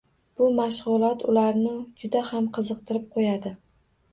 Bu mashg‘ulot ularni juda ham qiziqtirib qo‘yadi.